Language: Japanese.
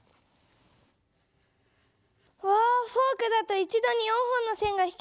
わフォークだと一度に４本の線が引けるんだ。